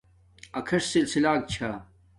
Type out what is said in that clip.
اکھݵݽ سلسِلݳک چھݳ.